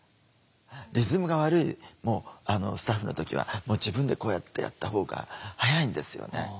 リズムが悪いスタッフの時はもう自分でこうやってやったほうが速いんですよね。